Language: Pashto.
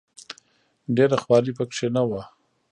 ډېره خواري په کې نه وه.